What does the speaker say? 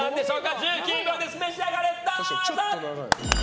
１９秒です召し上がれ。